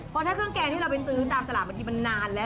เพราะถ้าเครื่องแกงที่เราไปซื้อตามตลาดบางทีมันนานแล้ว